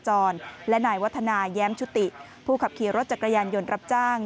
และนายวัฒนาแย้มชุติผู้ขับขี่รถจักรยานยนต์รับจ้าง